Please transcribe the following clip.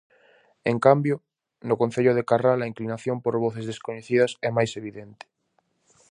En cambio, no Concello de Carral a inclinación por voces descoñecidas é máis evidente.